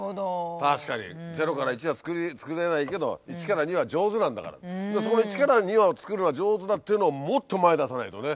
確かに０から１は作れないけど１から２は上手なんだからだからそこの１から２を作るのが上手だっていうのをもっと前へ出さないとね。